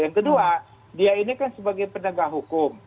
yang kedua dia ini kan sebagai penegak hukum